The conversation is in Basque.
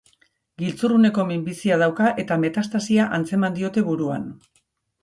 Giltzurruneko minbizia dauka eta metastasia antzeman diote buruan.